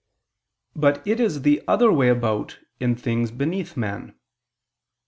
But it is the other way about in things beneath man.